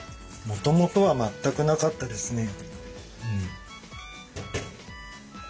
もともとは全くなかったですね。